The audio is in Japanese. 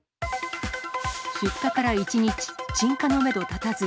出火から１日、鎮火のメド立たず。